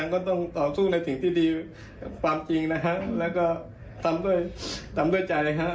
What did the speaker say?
ก็ต้องต่อสู้ในสิ่งที่ดีความจริงนะฮะแล้วก็ทำด้วยทำด้วยใจฮะ